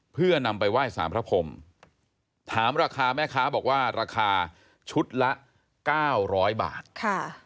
เพื่อนำไปไหว้สารพระพรมถามราคาแม่ค้าบอกว่าราคาชุดละเก้าร้อยบาทค่ะ